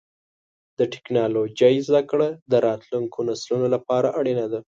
د ټکنالوجۍ زدهکړه د راتلونکو نسلونو لپاره اړینه ده.